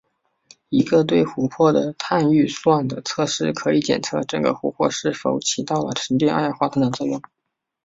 一个对湖泊的碳预算的测试可以检测这个湖泊是否起到了沉淀二氧化碳的作用。